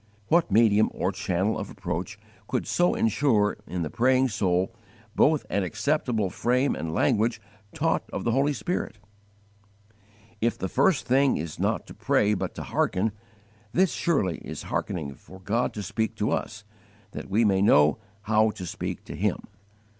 What medium or channel of approach could so insure in the praying soul both an acceptable frame and language taught of the Holy Spirit? If the first thing is not to pray but to hearken, this surely is hearkening for God to speak to us that we may know how to speak to Him.